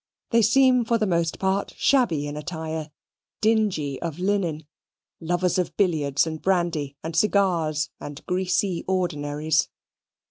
They seem for the most part shabby in attire, dingy of linen, lovers of billiards and brandy, and cigars and greasy ordinaries.